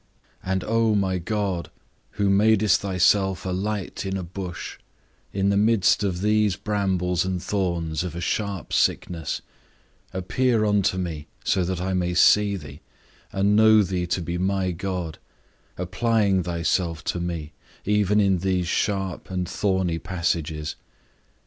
And, O my God, who madest thyself a light in a bush, in the midst of these brambles and thorns of a sharp sickness, appear unto me so that I may see thee, and know thee to be my God, applying thyself to me, even in these sharp and thorny passages.